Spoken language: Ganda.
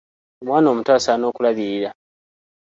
Omwana omuto asaana okulabirira.